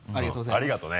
ありがとね。